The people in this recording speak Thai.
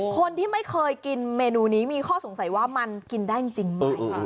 คนที่ไม่เคยกินเมนูนี้มีข้อสงสัยว่ามันกินได้จริงไหม